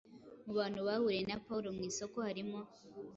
Mu bantu bahuriye na Pawulo mu isoko harimo